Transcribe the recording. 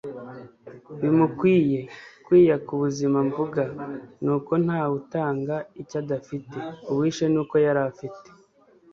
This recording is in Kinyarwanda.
bimukwiye.kwiyaka ubuzima mvuga, ni uko ntawe utanga icyo adafite. uwishe ni uko yari afite